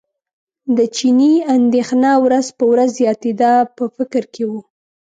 د چیني اندېښنه ورځ په ورځ زیاتېده په فکر کې و.